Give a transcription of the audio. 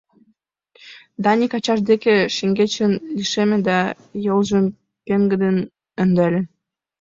Даник ачаж деке шеҥгечын лишеме да йолжым пеҥгыдын ӧндале.